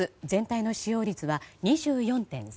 全体の使用率が２４．３％